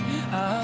kok udah dp hihose